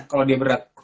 kalau dia berat